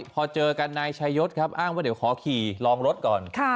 พอเจอกันนายชายศครับอ้างว่าเดี๋ยวขอขี่ลองรถก่อน